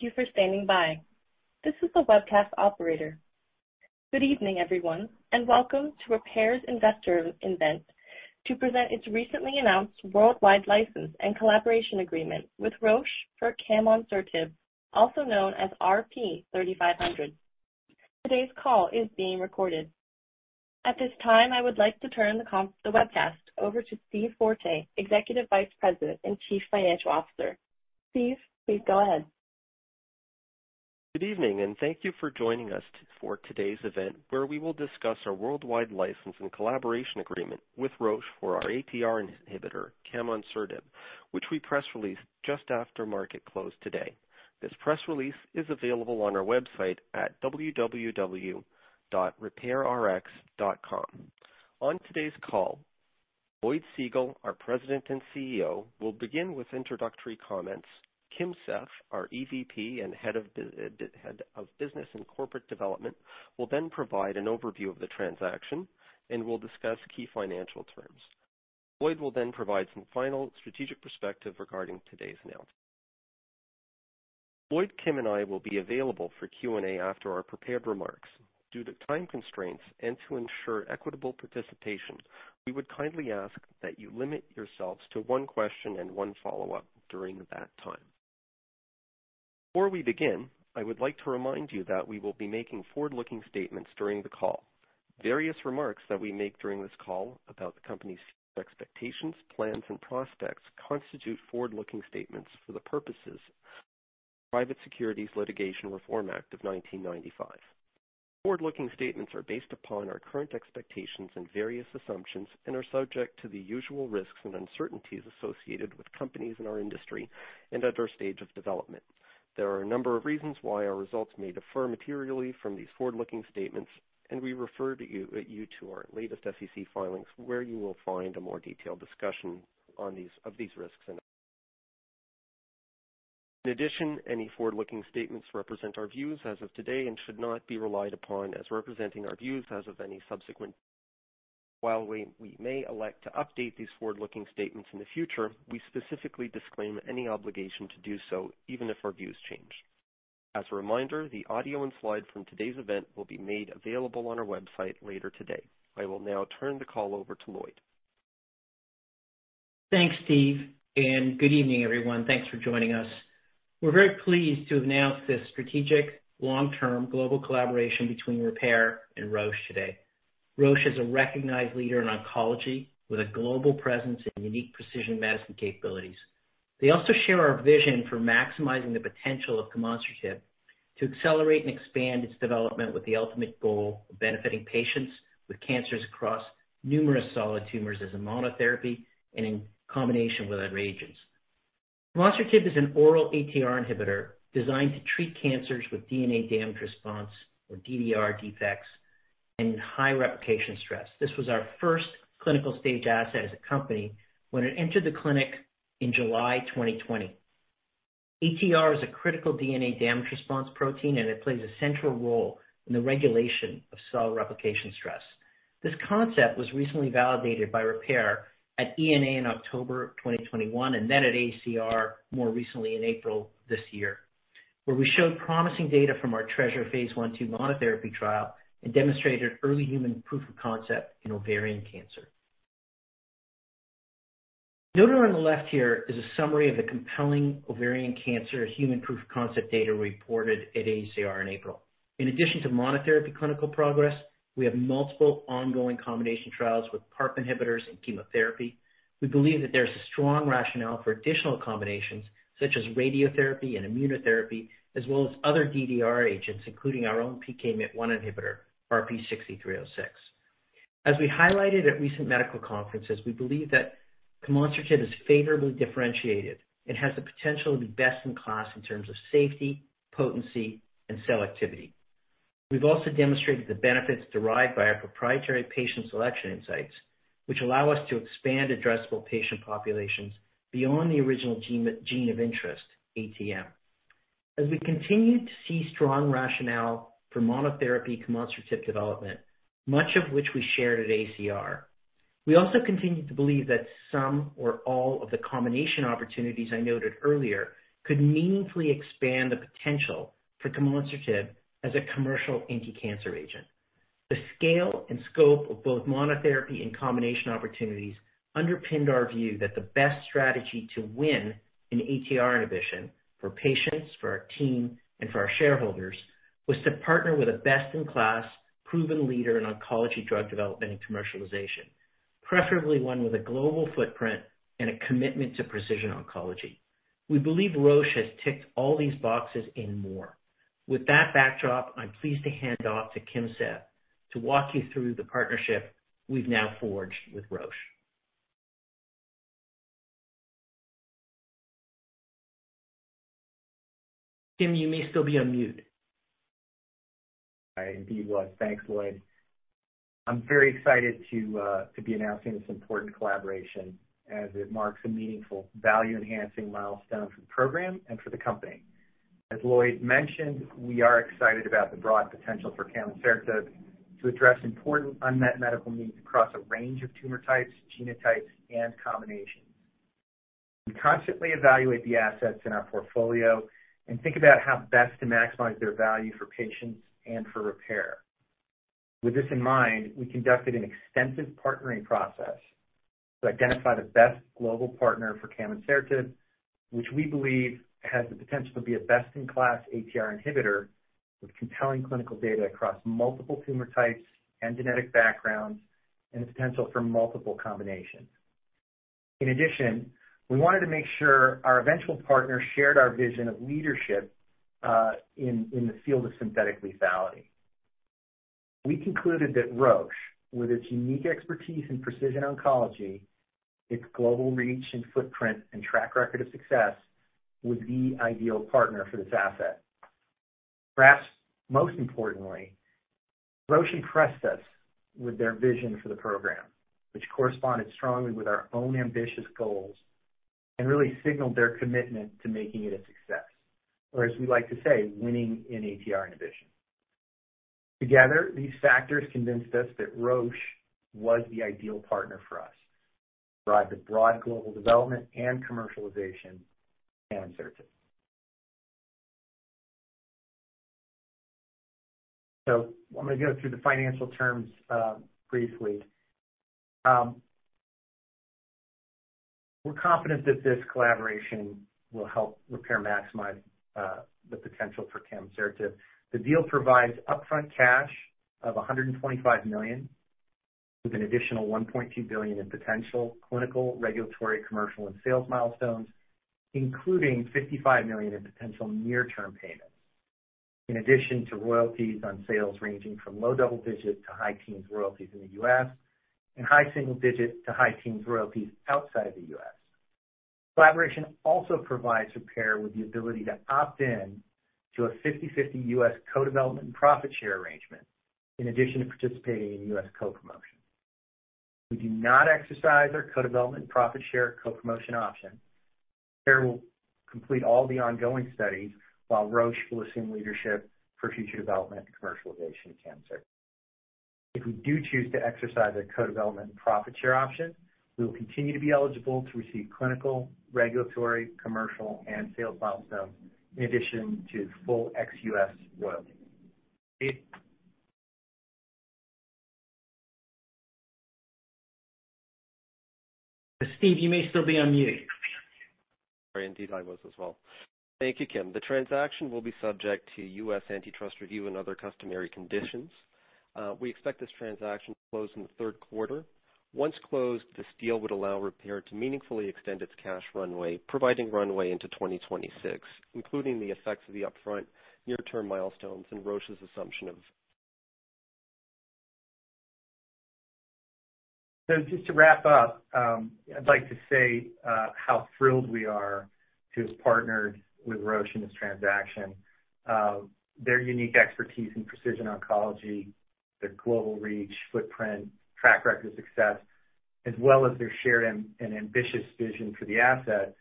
Thank you for standing by. This is the webcast operator. Good evening, everyone, and welcome to Repare's Investor Event to present its recently announced worldwide license and collaboration agreement with Roche for camonsertib, also known as RP-3500. Today's call is being recorded. At this time, I would like to turn the webcast over to Steve Forte, Executive Vice President and Chief Financial Officer. Steve, please go ahead. Good evening, and thank you for joining us for today's event, where we will discuss our worldwide license and collaboration agreement with Roche for our ATR inhibitor, camonsertib, which we press released just after market close today. This press release is available on our website at www.reparerx.com. On today's call, Lloyd Segal, our President and CEO, will begin with introductory comments. Kim Seth, our EVP and Head of Business and Corporate Development, will then provide an overview of the transaction and will discuss key financial terms. Lloyd will then provide some final strategic perspective regarding today's announcement. Lloyd, Kim, and I will be available for Q&A after our prepared remarks. Due to time constraints and to ensure equitable participation, we would kindly ask that you limit yourselves to one question and one follow-up during that time. Before we begin, I would like to remind you that we will be making forward-looking statements during the call. Various remarks that we make during this call about the company's expectations, plans, and prospects constitute forward-looking statements for the purposes of the Private Securities Litigation Reform Act of 1995. Forward-looking statements are based upon our current expectations and various assumptions and are subject to the usual risks and uncertainties associated with companies in our industry and at our stage of development. There are a number of reasons why our results may differ materially from these forward-looking statements, and we refer you to our latest SEC filings, where you will find a more detailed discussion of these risks. In addition, any forward-looking statements represent our views as of today and should not be relied upon as representing our views as of any subsequent. While we may elect to update these forward-looking statements in the future, we specifically disclaim any obligation to do so, even if our views change. As a reminder, the audio and slides from today's event will be made available on our website later today. I will now turn the call over to Lloyd. Thanks, Steve, and good evening, everyone. Thanks for joining us. We're very pleased to announce this strategic long-term global collaboration between Repare and Roche today. Roche is a recognized leader in oncology with a global presence in unique precision medicine capabilities. They also share our vision for maximizing the potential of camonsertib to accelerate and expand its development with the ultimate goal of benefiting patients with cancers across numerous solid tumors as a monotherapy and in combination with other agents. Camonsertib is an oral ATR inhibitor designed to treat cancers with DNA damage response, or DDR defects, and high replication stress. This was our first clinical stage asset as a company when it entered the clinic in July 2020. ATR is a critical DNA damage response protein, and it plays a central role in the regulation of cell replication stress. This concept was recently validated by Repare at [AACR-NCI-EORTC] in October of 2021 and then at AACR more recently in April this year, where we showed promising data from our TRESR Phase I/II monotherapy trial and demonstrated early human proof of concept in ovarian cancer. Noted on the left here is a summary of the compelling ovarian cancer human proof of concept data we reported at AACR in April. In addition to monotherapy clinical progress, we have multiple ongoing combination trials with PARP inhibitors and chemotherapy. We believe that there's a strong rationale for additional combinations such as radiotherapy and immunotherapy, as well as other DDR agents, including our own PKMYT1 inhibitor, RP-6306. As we highlighted at recent medical conferences, we believe that camonsertib is favorably differentiated and has the potential to be best in class in terms of safety, potency, and cell activity. We've also demonstrated the benefits derived by our proprietary patient selection insights, which allow us to expand addressable patient populations beyond the original gene of interest, ATM. As we continue to see strong rationale for monotherapy camonsertib development, much of which we shared at AACR, we also continue to believe that some or all of the combination opportunities I noted earlier could meaningfully expand the potential for camonsertib as a commercial anticancer agent. The scale and scope of both monotherapy and combination opportunities underpinned our view that the best strategy to win in ATR inhibition for patients, for our team, and for our shareholders was to partner with a best-in-class proven leader in oncology drug development and commercialization, preferably one with a global footprint and a commitment to precision oncology. We believe Roche has ticked all these boxes and more. With that backdrop, I'm pleased to hand off to Kim Seth to walk you through the partnership we've now forged with Roche. Kim, you may still be on mute. I indeed was. Thanks, Lloyd. I'm very excited to be announcing this important collaboration as it marks a meaningful value-enhancing milestone for the program and for the company. As Lloyd mentioned, we are excited about the broad potential for camonsertib to address important unmet medical needs across a range of tumor types, genotypes, and combinations. We constantly evaluate the assets in our portfolio and think about how best to maximize their value for patients and for Repare. With this in mind, we conducted an extensive partnering process to identify the best global partner for camonsertib, which we believe has the potential to be a best-in-class ATR inhibitor with compelling clinical data across multiple tumor types and genetic backgrounds, and the potential for multiple combinations. In addition, we wanted to make sure our eventual partner shared our vision of leadership in the field of synthetic lethality. We concluded that Roche, with its unique expertise in precision oncology, its global reach and footprint and track record of success, was the ideal partner for this asset. Perhaps most importantly, Roche impressed us with their vision for the program, which corresponded strongly with our own ambitious goals and really signaled their commitment to making it a success. As we like to say, winning in ATR inhibition. Together, these factors convinced us that Roche was the ideal partner for us to drive the broad global development and commercialization of camonsertib. Let me go through the financial terms, briefly. We're confident that this collaboration will help Repare maximize the potential for camonsertib. The deal provides upfront cash of $125 million, with an additional $1.2 billion in potential clinical, regulatory, commercial, and sales milestones, including $55 million in potential near-term payments, in addition to royalties on sales ranging from low double digits to high teens royalties in the U.S., and high single digits to high teens royalties outside of the U.S.. Collaboration also provides Repare with the ability to opt in to a 50/50 U.S. co-development profit share arrangement, in addition to participating in U.S. co-promotion. If we do not exercise our co-development profit share co-promotion option, Repare will complete all the ongoing studies while Roche will assume leadership for future development and commercialization of camonsertib. If we do choose to exercise our co-development profit share option, we will continue to be eligible to receive clinical, regulatory, commercial, and sales milestones in addition to full ex-U.S. royalties. Steve? Steve, you may still be on mute. Sorry. Indeed I was as well. Thank you, Kim. The transaction will be subject to U.S. antitrust review and other customary conditions. We expect this transaction to close in the third quarter. Once closed, this deal would allow Repare to meaningfully extend its cash runway, providing runway into 2026, including the effects of the upfront near-term milestones and Roche's assumption of- Just to wrap up, I'd like to say how thrilled we are to have partnered with Roche in this transaction. Their unique expertise in precision oncology, their global reach, footprint, track record success, as well as their shared ambitious vision for the asset,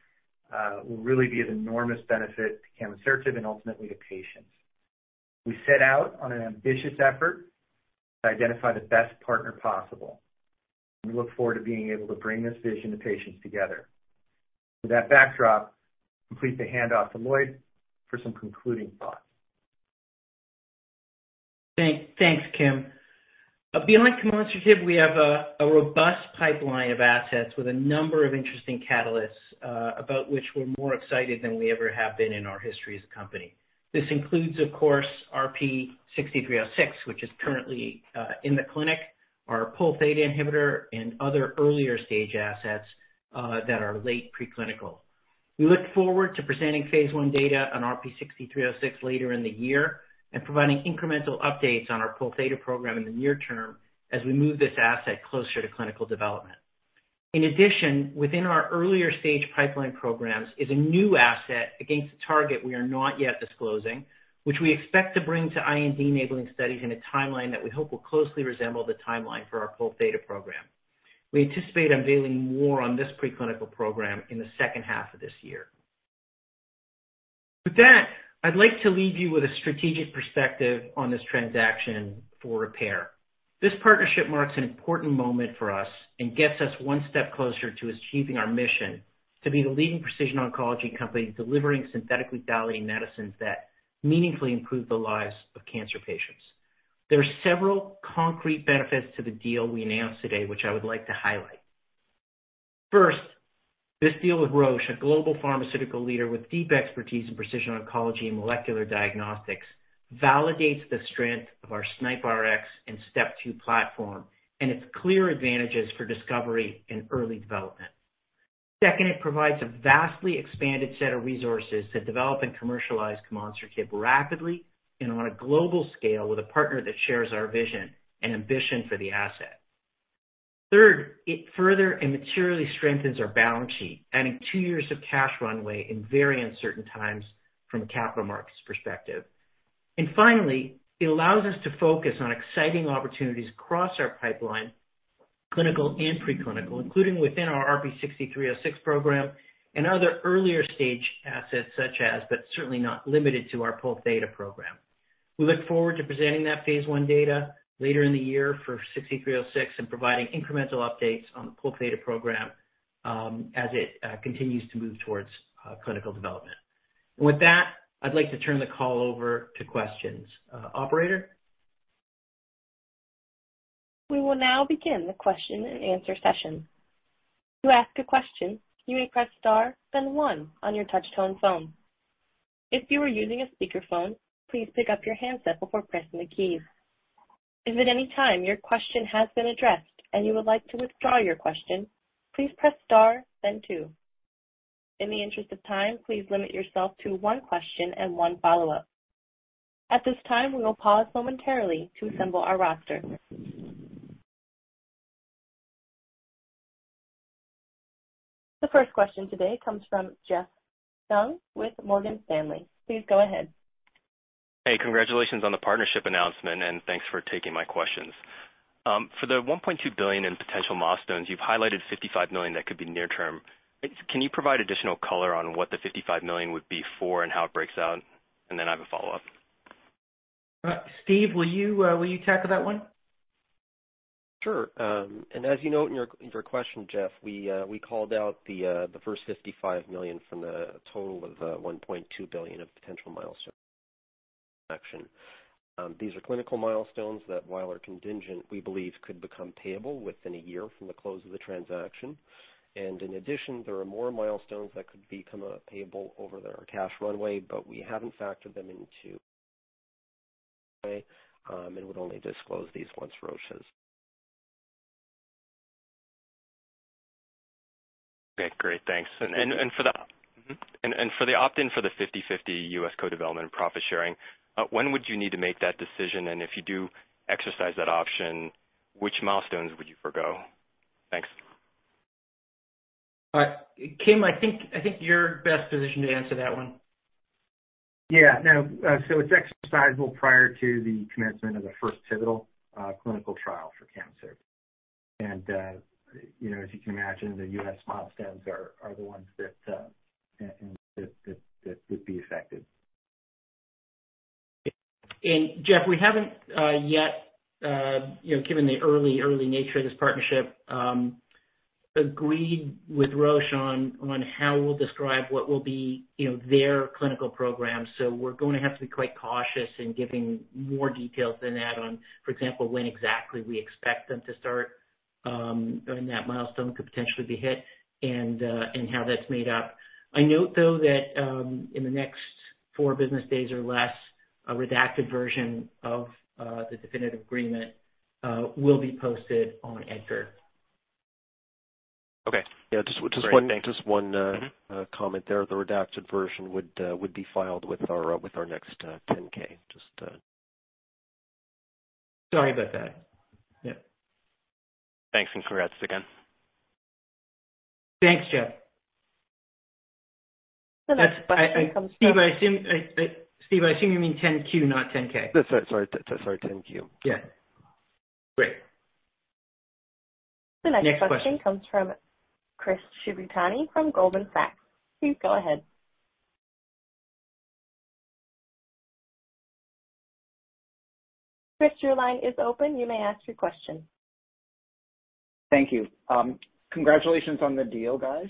will really be an enormous benefit to camonsertib and ultimately to patients. We set out on an ambitious effort to identify the best partner possible, and we look forward to being able to bring this vision to patients together. With that backdrop, I complete the handoff to Lloyd for some concluding thoughts. Thanks, Kim. Beyond camonsertib, we have a robust pipeline of assets with a number of interesting catalysts about which we're more excited than we ever have been in our history as a company. This includes, of course, RP6306, which is currently in the clinic, our Polθ inhibitor and other earlier stage assets that are late preclinical. We look forward to presenting phase 1 data on RP6306 later in the year and providing incremental updates on our Polθ program in the near term as we move this asset closer to clinical development. In addition, within our earlier stage pipeline programs is a new asset against a target we are not yet disclosing, which we expect to bring to IND-enabling studies in a timeline that we hope will closely resemble the timeline for our Polθ program. We anticipate unveiling more on this preclinical program in the second half of this year. With that, I'd like to leave you with a strategic perspective on this transaction for Repare. This partnership marks an important moment for us and gets us one step closer to achieving our mission to be the leading precision oncology company, delivering synthetically lethal medicines that meaningfully improve the lives of cancer patients. There are several concrete benefits to the deal we announced today, which I would like to highlight. First, this deal with Roche, a global pharmaceutical leader with deep expertise in precision oncology and molecular diagnostics, validates the strength of our SNIPRx and STEP2 platform and its clear advantages for discovery and early development. Second, it provides a vastly expanded set of resources to develop and commercialize camonsertib rapidly and on a global scale with a partner that shares our vision and ambition for the asset. Third, it further and materially strengthens our balance sheet, adding two years of cash runway in very uncertain times from a capital markets perspective. Finally, it allows us to focus on exciting opportunities across our pipeline, clinical and preclinical, including within our RP6306 program and other earlier stage assets such as, but certainly not limited to, our Polθ program. We look forward to presenting that phase 1 data later in the year for RP-6306 and providing incremental updates on the Polθ program, as it continues to move towards clinical development. With that, I'd like to turn the call over to questions. Operator? We will now begin the question and answer session. To ask a question, you may press star, then one on your touchtone phone. If you are using a speakerphone, please pick up your handset before pressing the keys. If at any time your question has been addressed and you would like to withdraw your question, please press star then two. In the interest of time, please limit yourself to one question and one follow-up. At this time, we will pause momentarily to assemble our roster. The first question today comes from Jeff Hung with Morgan Stanley. Please go ahead. Hey, congratulations on the partnership announcement, and thanks for taking my questions. For the $1.2 billion in potential milestones, you've highlighted $55 million that could be near term. Can you provide additional color on what the $55 million would be for and how it breaks out? I have a follow-up. Steve, will you tackle that one? Sure. As you note in your question, Jeff, we called out the first $55 million from the total of $1.2 billion of potential milestone action. These are clinical milestones that, while are contingent, we believe could become payable within a year from the close of the transaction. In addition, there are more milestones that could become payable over their cash runway, but we haven't factored them into the valuation, and would only disclose these ones, Roche's. Okay, great. Thanks. Mm-hmm. For the opt-in for the 50/50 U.S. co-development and profit sharing, when would you need to make that decision? If you do exercise that option, which milestones would you forgo? Thanks. Kim, I think you're best positioned to answer that one. Yeah. No, it's exercisable prior to the commencement of the first pivotal clinical trial for cancer. You know, as you can imagine, the U.S. milestones are the ones that would be affected. Jeff, we haven't yet, you know, given the early nature of this partnership, agreed with Roche on how we'll describe what will be, you know, their clinical program. We're gonna have to be quite cautious in giving more details than that on, for example, when exactly we expect them to start, when that milestone could potentially be hit and how that's made up. I note, though, that in the next four business days or less, a redacted version of the definitive agreement will be posted on EDGAR. Okay. Yeah. Great. Thanks. Just one. Mm-hmm. Comment there. The redacted version would be filed with our next 10-K. Just... Sorry about that. Yeah. Thanks, and congrats again. Thanks, Jeff. The next question comes from. Steve, I assume you mean 10-Q, not 10-K. That's right. Sorry, 10-Q. Yeah. Great. The next question. Next question. Comes from Chris Shibutani from Goldman Sachs. Please go ahead. Chris, your line is open. You may ask your question. Thank you. Congratulations on the deal, guys.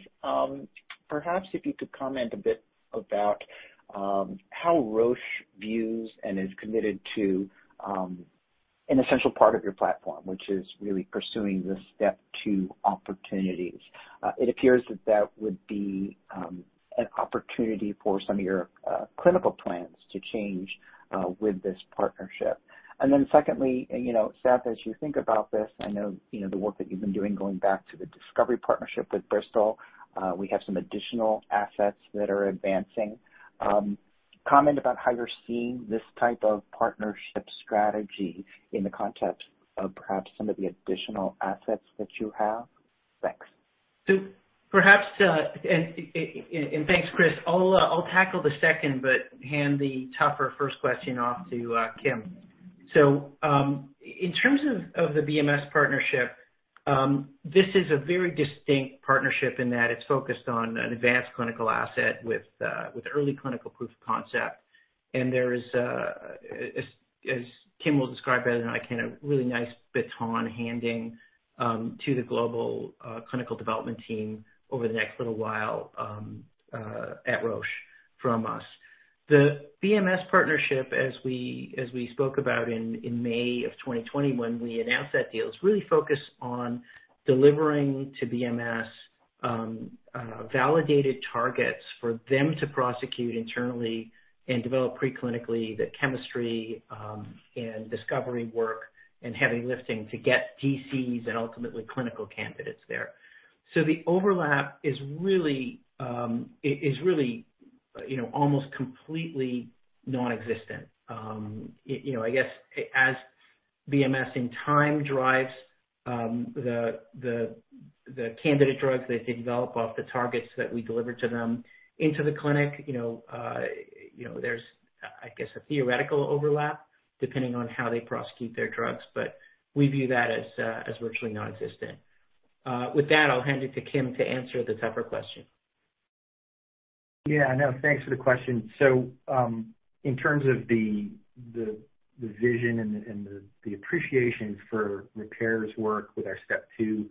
Perhaps if you could comment a bit about how Roche views and is committed to an essential part of your platform, which is really pursuing the step two opportunities. It appears that that would be an opportunity for some of your clinical plans to change with this partnership. Secondly, you know, Seth, as you think about this, I know, you know, the work that you've been doing going back to the discovery partnership with Bristol, we have some additional assets that are advancing. Comment about how you're seeing this type of partnership strategy in the context of perhaps some of the additional assets that you have. Thanks. Thanks, Chris. I'll tackle the second, but hand the tougher first question off to Kim. In terms of the BMS partnership, this is a very distinct partnership in that it's focused on an advanced clinical asset with early clinical proof of concept. There is, as Kim will describe better than I can, a really nice baton handing to the global clinical development team over the next little while at Roche from us. The BMS partnership, as we spoke about in May of 2020 when we announced that deal, is really focused on delivering to BMS validated targets for them to prosecute internally and develop pre-clinically the chemistry and discovery work and heavy lifting to get DCs and ultimately clinical candidates there. The overlap is really, you know, almost completely non-existent. It, you know, I guess as BMS in time drives the candidate drugs that they develop off the targets that we deliver to them into the clinic, you know, I guess a theoretical overlap depending on how they prosecute their drugs, but we view that as virtually nonexistent. With that, I'll hand it to Kim to answer the tougher question. Yeah, no, thanks for the question. In terms of the vision and the appreciation for Repare's work with our STEP2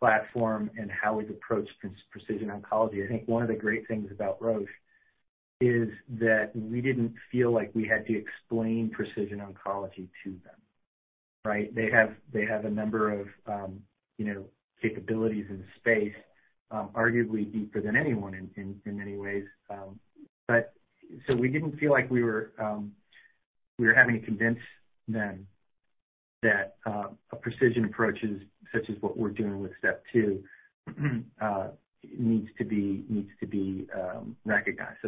platform and how we've approached precision oncology, I think one of the great things about Roche is that we didn't feel like we had to explain precision oncology to them, right? They have a number of, you know, capabilities in the space, arguably deeper than anyone in many ways. We didn't feel like we were having to convince them that a precision approach, such as what we're doing with STEP2, needs to be recognized.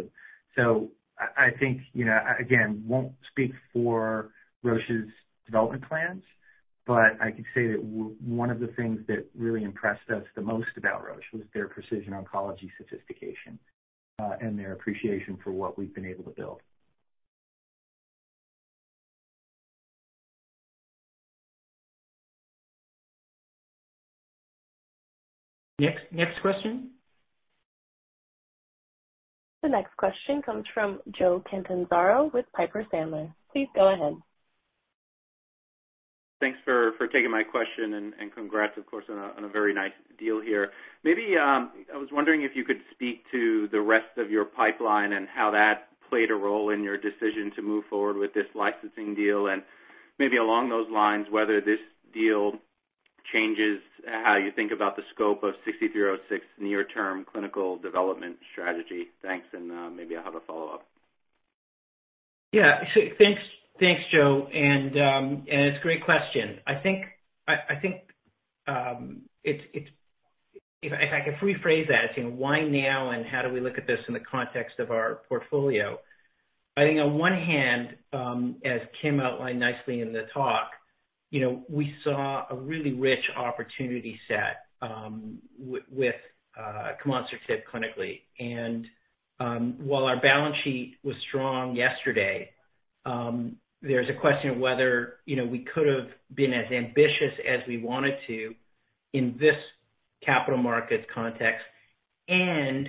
I think, you know, again, won't speak for Roche's development plans, but I can say that one of the things that really impressed us the most about Roche was their precision oncology sophistication, and their appreciation for what we've been able to build. Next question. The next question comes from Joe Catanzaro with Piper Sandler. Please go ahead. Thanks for taking my question and congrats, of course, on a very nice deal here. Maybe I was wondering if you could speak to the rest of your pipeline and how that played a role in your decision to move forward with this licensing deal. Maybe along those lines, whether this deal changes how you think about the scope of 6306 near-term clinical development strategy. Thanks, maybe I'll have a follow-up. Yeah. Thanks, Joe. It's a great question. I think. If I could rephrase that as in why now and how do we look at this in the context of our portfolio? I think on one hand, as Kim outlined nicely in the talk, you know, we saw a really rich opportunity set, with camonsertib clinically. While our balance sheet was strong yesterday, there's a question of whether, you know, we could have been as ambitious as we wanted to in this capital market context and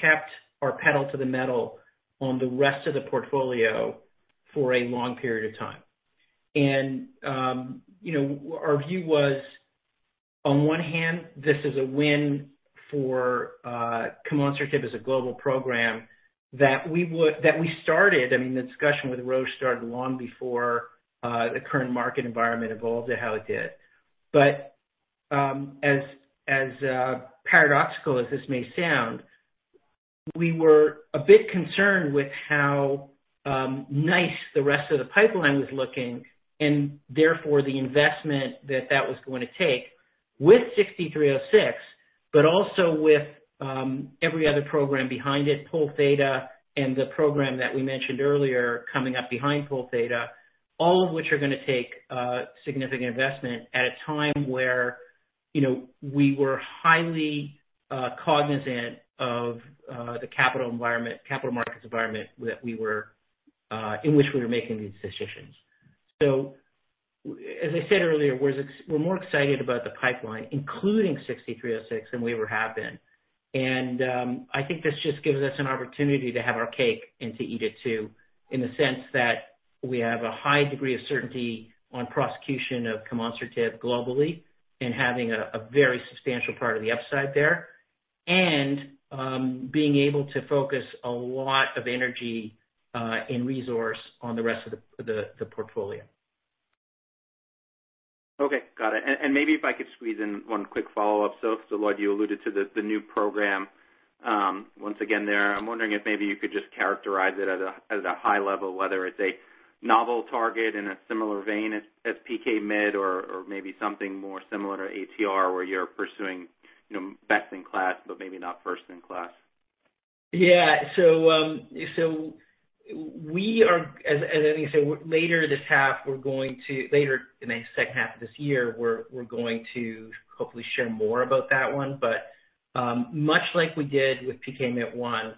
kept our pedal to the metal on the rest of the portfolio for a long period of time. You know, our view was, on one hand, this is a win for camonsertib as a global program that we started. I mean, the discussion with Roche started long before the current market environment evolved to how it did. As paradoxical as this may sound, we were a bit concerned with how nice the rest of the pipeline was looking, and therefore the investment that that was going to take with sixty-three oh six, but also with every other program behind it, Polθ, and the program that we mentioned earlier coming up behind Polθ, all of which are gonna take significant investment at a time where, you know, we were highly cognizant of the capital environment, capital markets environment in which we were making these decisions. As I said earlier, we're more excited about the pipeline, including 63 oh six than we ever have been. I think this just gives us an opportunity to have our cake and to eat it too, in the sense that we have a high degree of certainty on prosecution of camonsertib globally and having a very substantial part of the upside there and being able to focus a lot of energy and resource on the rest of the portfolio. Okay. Got it. Maybe if I could squeeze in one quick follow-up. Lloyd, you alluded to the new program once again there. I'm wondering if maybe you could just characterize it at a high level, whether it's a novel target in a similar vein as PKMYT1 or maybe something more similar to ATR, where you're pursuing, you know, best in class, but maybe not first in class. As I think I said, later in the second half of this year, we're going to hopefully share more about that one. Much like we did with PKMYT1,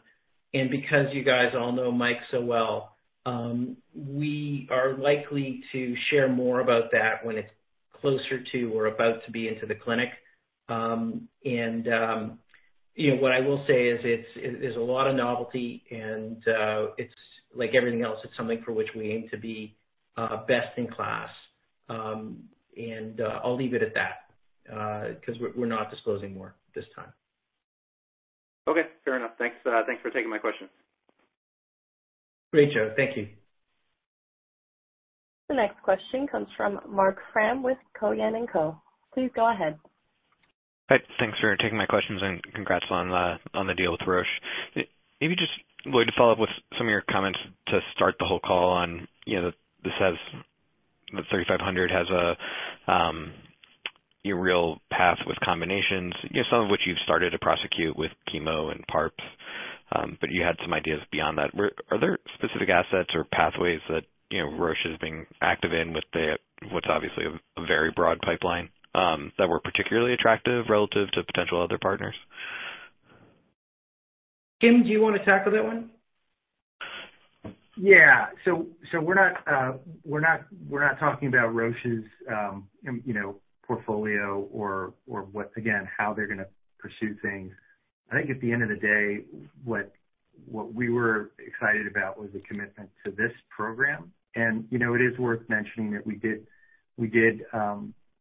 and because you guys all know Mike so well, we are likely to share more about that when it's closer to or about to be into the clinic. You know, what I will say is there's a lot of novelty and it's like everything else, it's something for which we aim to be best in class. I'll leave it at that, 'cause we're not disclosing more this time. Okay, fair enough. Thanks, thanks for taking my question. Great, Joe. Thank you. The next question comes from Marc Frahm with Cowen and Company. Please go ahead. Hi. Thanks for taking my questions and congrats on the deal with Roche. Maybe just, Lloyd, to follow up with some of your comments to start the whole call on, you know, the RP-3500 has a real path with combinations, you know, some of which you've started to prosecute with chemo and PARP. You had some ideas beyond that. Are there specific assets or pathways that, you know, Roche is being active in with the what's obviously a very broad pipeline that were particularly attractive relative to potential other partners? Kim, do you want to tackle that one? We're not talking about Roche's, you know, portfolio or again, how they're gonna pursue things. I think at the end of the day, what we were excited about was the commitment to this program. You know, it is worth mentioning that we did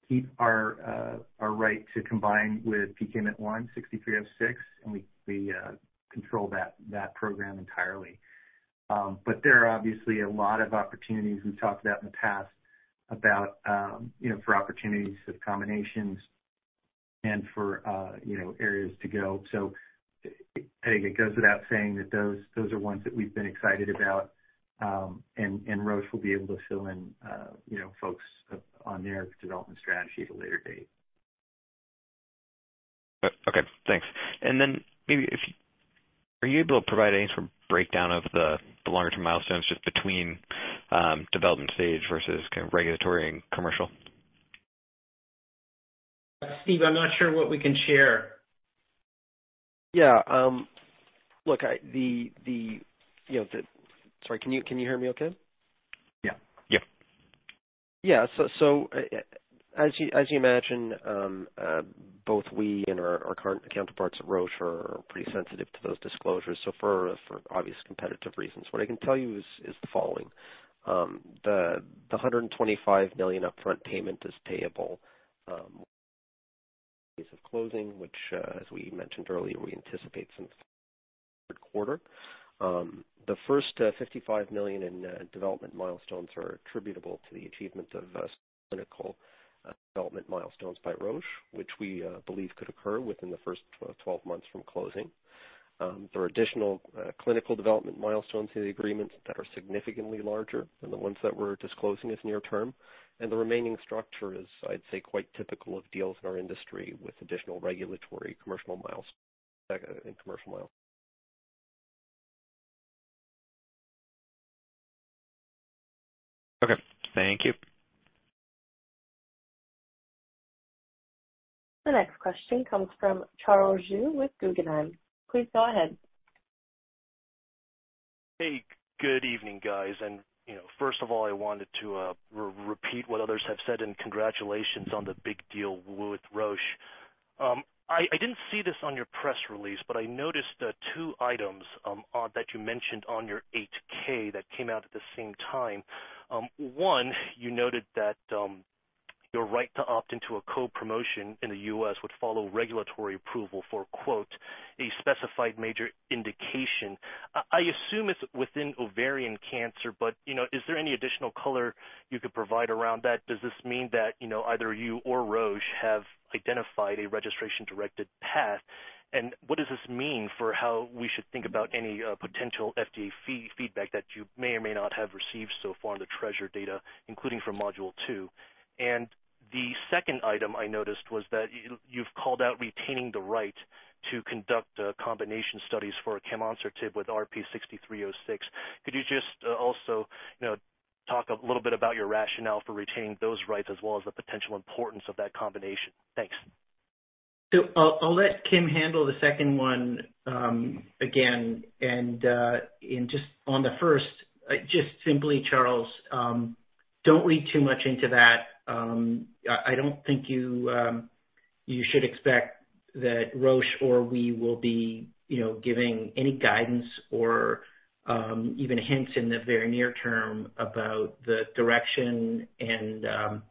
keep our right to combine with PKMYT1, RP-6306, and we control that program entirely. There are obviously a lot of opportunities. We've talked about in the past, you know, for opportunities of combinations and for, you know, areas to go. I think it goes without saying that those are ones that we've been excited about. Roche will be able to fill in, you know, folks on their development strategy at a later date. Okay, thanks. Are you able to provide any sort of breakdown of the longer-term milestones just between development stage versus kind of regulatory and commercial? Steve, I'm not sure what we can share. Yeah. Sorry, can you hear me okay? Yeah. Yeah. Yeah. As you imagine, both we and our current counterparts at Roche are pretty sensitive to those disclosures. For obvious competitive reasons. What I can tell you is the following. The $125 million upfront payment is payable upon closing, which, as we mentioned earlier, we anticipate in the third quarter. The first $55 million in development milestones are attributable to the achievement of clinical development milestones by Roche, which we believe could occur within the first 12 months from closing. There are additional clinical development milestones in the agreement that are significantly larger than the ones that we're disclosing as near-term. The remaining structure is, I'd say, quite typical of deals in our industry with additional regulatory commercial milestones and commercial milestones. Okay, thank you. The next question comes from Charles Zhu with Guggenheim. Please go ahead. Hey, good evening, guys. You know, first of all, I wanted to repeat what others have said and congratulations on the big deal with Roche. I didn't see this on your press release, but I noticed two items that you mentioned on your 8-K that came out at the same time. One, you noted that your right to opt into a co-promotion in the U.S. would follow regulatory approval for quote, "A specified major indication." I assume it's within ovarian cancer, but you know, is there any additional color you could provide around that? Does this mean that you know, either you or Roche have identified a registration-directed path? What does this mean for how we should think about any potential FDA feedback that you may or may not have received so far on the TRESR data, including from Module 2? The second item I noticed was that you've called out retaining the right to conduct combination studies for camonsertib with RP-6306. Could you just also, you know, talk a little bit about your rationale for retaining those rights as well as the potential importance of that combination? Thanks. I'll let Kim handle the second one, again and just on the first, just simply, Charles, don't read too much into that. I don't think you should expect that Roche or we will be, you know, giving any guidance or even hints in the very near term about the direction and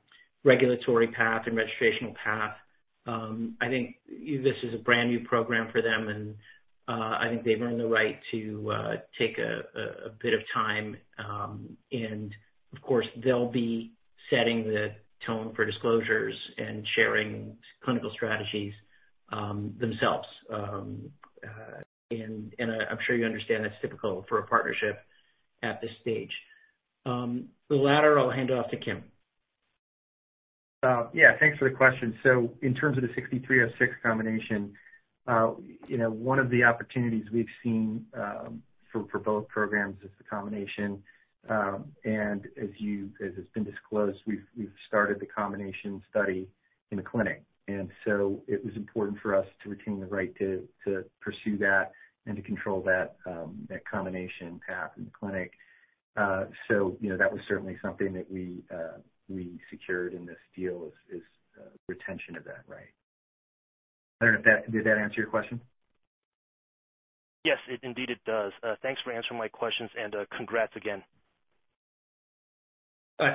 regulatory path and registrational path. I think this is a brand-new program for them, and I think they've earned the right to take a bit of time. Of course, they'll be setting the tone for disclosures and sharing clinical strategies, themselves. I'm sure you understand that's typical for a partnership at this stage. The latter, I'll hand off to Kim. Yeah, thanks for the question. In terms of the RP-6306 combination, you know, one of the opportunities we've seen, for both programs is the combination. As it's been disclosed, we've started the combination study in the clinic. It was important for us to retain the right to pursue that and to control that combination path in the clinic. You know, that was certainly something that we secured in this deal is retention of that right. Did that answer your question? Yes, it indeed does. Thanks for answering my questions and congrats again.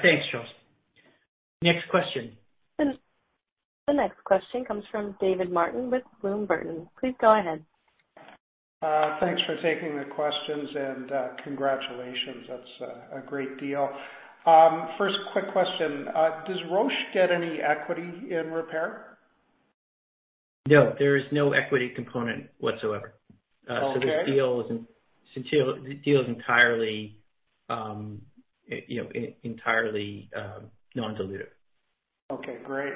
Thanks, Charles. Next question. The next question comes from David Martin with Bloom Burton. Please go ahead. Thanks for taking the questions, and congratulations. That's a great deal. First quick question. Does Roche get any equity in Repare? No, there is no equity component whatsoever. Okay. This deal is entirely, you know, non-dilutive. Okay, great.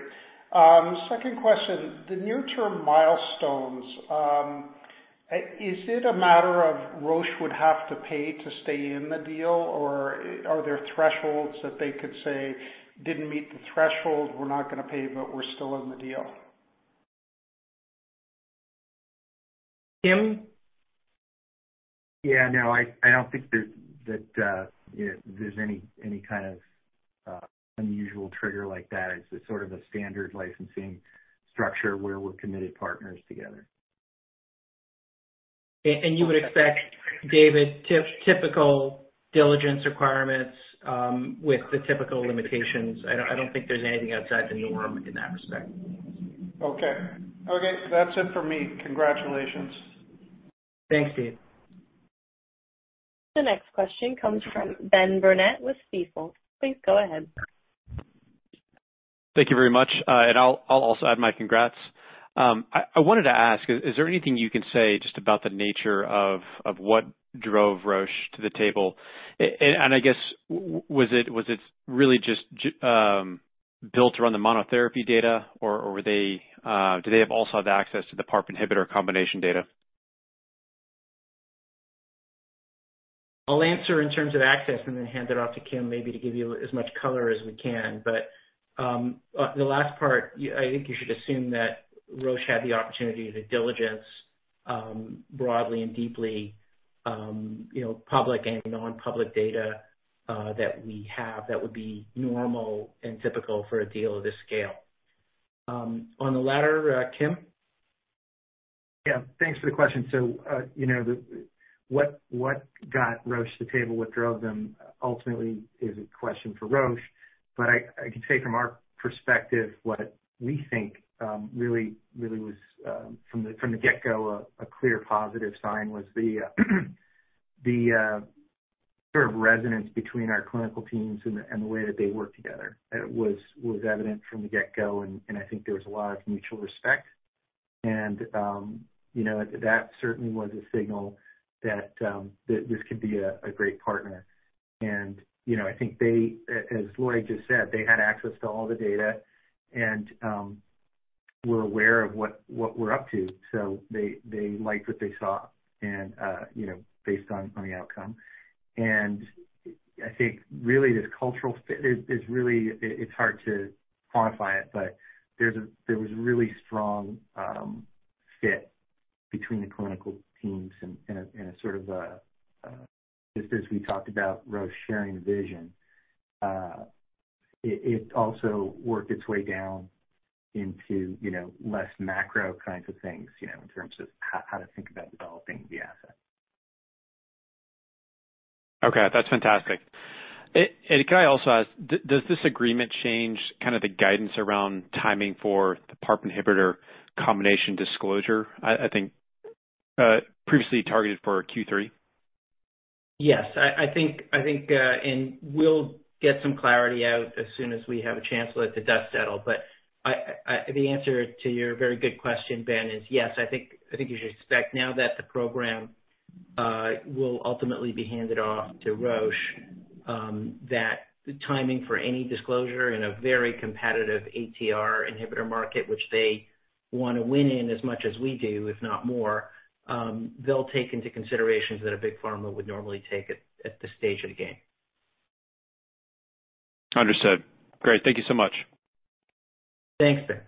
Second question. The near-term milestones, is it a matter of Roche would have to pay to stay in the deal, or are there thresholds that they could say, "Didn't meet the threshold, we're not gonna pay, but we're still in the deal? Kim? Yeah. No, I don't think there's that, you know, there's any kind of unusual trigger like that. It's a sort of a standard licensing structure where we're committed partners together. You would expect, David, typical diligence requirements, with the typical limitations. I don't think there's anything outside the norm in that respect. Okay. Okay, that's it for me. Congratulations. Thanks, Dave. The next question comes from Ben Burnett with Stifel. Please go ahead. Thank you very much. I'll also add my congrats. I wanted to ask, is there anything you can say just about the nature of what drove Roche to the table? I guess, was it really just built around the monotherapy data or do they also have access to the PARP inhibitor combination data? I'll answer in terms of access and then hand it off to Kim, maybe to give you as much color as we can. The last part, I think you should assume that Roche had the opportunity to diligence broadly and deeply, you know, public and non-public data that we have that would be normal and typical for a deal of this scale. On the latter, Kim. Yeah, thanks for the question. You know, what got Roche to the table, what drove them ultimately is a question for Roche. I can say from our perspective, what we think really was from the get-go, a clear positive sign was the sort of resonance between our clinical teams and the way that they work together. It was evident from the get-go, and I think there was a lot of mutual respect. You know, that certainly was a signal that this could be a great partner. You know, I think they, as Lloyd just said, they had access to all the data and were aware of what we're up to. They liked what they saw and, you know, based on the outcome. I think really this cultural fit is really. It's hard to quantify it, but there was a really strong fit between the clinical teams and a sort of just as we talked about Roche sharing the vision. It also worked its way down into, you know, less macro kinds of things, you know, in terms of how to think about developing the asset. Okay, that's fantastic. Can I also ask, does this agreement change kind of the guidance around timing for the PARP inhibitor combination disclosure? I think previously targeted for Q3. Yes. I think we'll get some clarity out as soon as we have a chance to let the dust settle, but the answer to your very good question, Ben, is yes. I think you should expect now that the program will ultimately be handed off to Roche, that the timing for any disclosure in a very competitive ATR inhibitor market, which they wanna win in as much as we do, if not more, they'll take into considerations that a big pharma would normally take at this stage of the game. Understood. Great. Thank you so much. Thanks, Ben.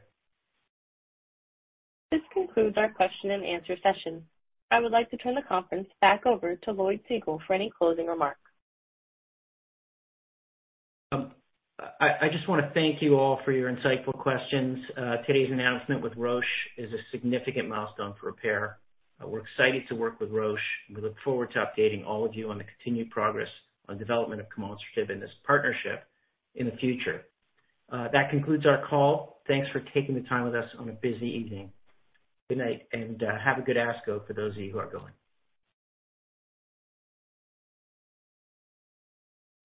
This concludes our question and answer session. I would like to turn the conference back over to Lloyd Segal for any closing remarks. I just wanna thank you all for your insightful questions. Today's announcement with Roche is a significant milestone for Repare. We're excited to work with Roche, and we look forward to updating all of you on the continued progress on development of camonsertib and this partnership in the future. That concludes our call. Thanks for taking the time with us on a busy evening. Good night and have a good ASCO for those of you who are going.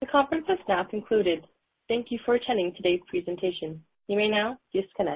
The conference is now concluded. Thank you for attending today's presentation. You may now disconnect.